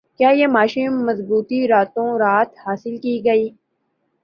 کیا یہ معاشی مضبوطی راتوں رات حاصل کی گئی